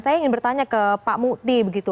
saya ingin bertanya ke pak mukti begitu